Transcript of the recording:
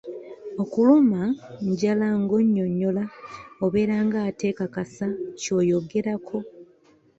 Okuluma njala ng'onyonnyola obeera ng'ateekakasa ky'oyogerako.